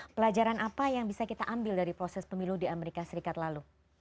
pelajaran apa yang bisa kita ambil dari proses pemilu di amerika serikat lalu